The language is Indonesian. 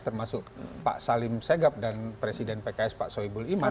termasuk pak salim segap dan presiden pks pak soebul iman